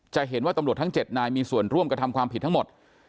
จะเห็นว่าตำรวจทั้ง๗นายมีส่วนร่วมกระทำความผิดทั้งหมด